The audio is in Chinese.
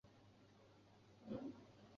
瓦尔卡布雷尔。